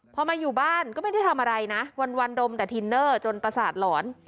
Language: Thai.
พอมาอยู่บ้านก็ไม่ได้ทำอะไรนะวันดมแต่ทินเนอร์จนประสาทหลอน